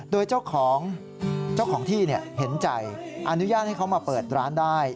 โดยเจ้าของเจ้าของที่เห็นใจอนุญาตให้เขามาเปิดร้านได้